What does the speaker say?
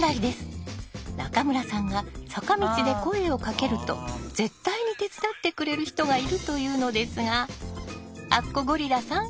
中村さんが坂道で声をかけると絶対に手伝ってくれる人がいると言うのですがあっこゴリラさん